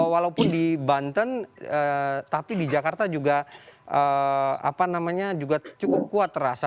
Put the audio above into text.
walaupun di banten tapi di jakarta juga cukup kuat terasa